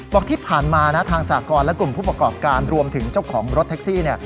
บอกที่ผ่านมานะทางสากรและกลุ่มผู้ประกอบการรวมถึงเจ้าของรถแท็กซี่เนี่ย